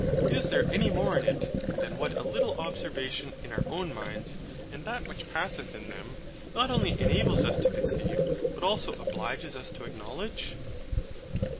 Is there any more in it than what a little observation in our own minds, and that which passeth in them, not only enables us to conceive, but also obliges us to acknowledge.